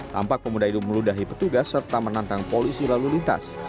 tampak pemuda itu meludahi petugas serta menantang polisi lalu lintas